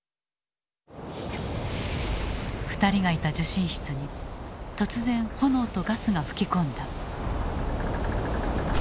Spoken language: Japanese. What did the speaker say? ２人がいた受信室に突然炎とガスが吹き込んだ。